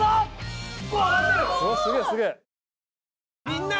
みんな！